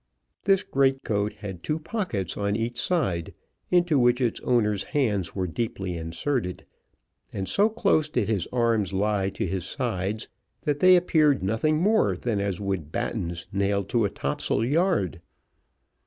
This great coat had two pockets on each side, into which its owner's hands were deeply inserted, and so close did his arms lie to his sides, that they appeared nothing more than as would battens nailed to a topsail yard.